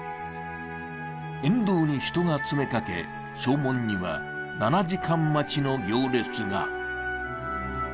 沿道に人が詰めかけ、弔問には７時間待ちの行列が。